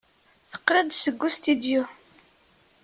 Teqqel-d seg ustidyu.